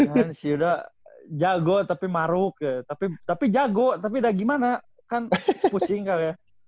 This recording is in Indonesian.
kan si yuda jago tapi maruk ya tapi tapi jago tapi udah gimana kan pusing kak ya